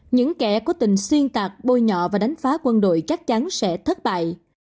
những kẻ cố tình xuyên tạc bôi nhọ và đánh phá quân đội chắc chắn sẽ thất bại